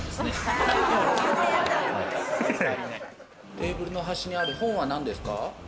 テーブルの端にある本は何ですか？